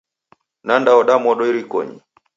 Nandaoda modo irikonyi.